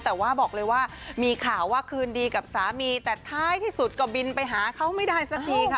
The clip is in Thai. แต่ว่าบอกเลยว่ามีข่าวว่าคืนดีกับสามีแต่ท้ายที่สุดก็บินไปหาเขาไม่ได้สักทีค่ะ